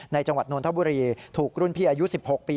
จังหวัดนทบุรีถูกรุ่นพี่อายุ๑๖ปี